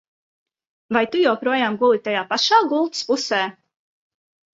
Vai tu joprojām guli tajā pašā gultas pusē?